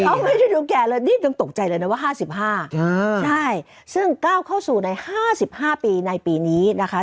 เขาไม่ได้ดูแก่เลยนี่ต้องตกใจเลยนะว่าห้าสิบห้าใช่ใช่ซึ่งก้าวเข้าสู่ในห้าสิบห้าปีในปีนี้นะคะ